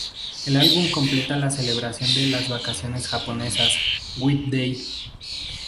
El álbum completa la celebración de las vacaciones japonesas, White Day.